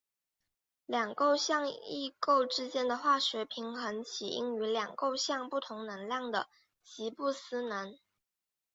两构象异构之间的化学平衡起因于两构象不同能量的吉布斯能。